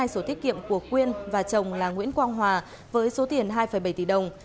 hai số thiết kiệm của quyên và chồng là nguyễn quang hòa với số tiền hai bảy tỷ đồng